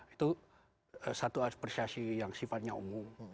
itu satu apresiasi yang sifatnya umum